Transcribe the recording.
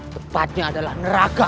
tepatnya adalah neraka